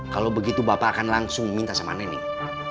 kalau begitu bapak akan langsung minta sama nening